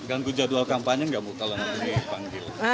ganggu jadwal kampanye nggak mau kalau nanti dipanggil